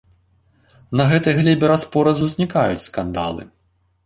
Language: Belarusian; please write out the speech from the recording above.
На гэтай глебе раз-пораз узнікаюць скандалы.